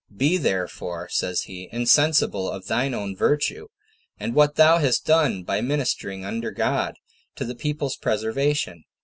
"Be therefore," says he, "insensible of thine own virtue, and what thou hast done by ministering under God to the people's preservation.